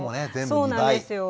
そうなんですよ。